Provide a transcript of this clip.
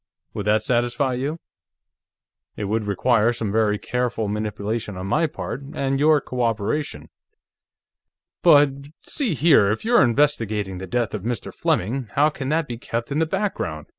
Would that satisfy you? It would require some very careful manipulation on my part, and your cooperation." "But.... See here, if you're investigating the death of Mr. Fleming, how can that be kept in the background?"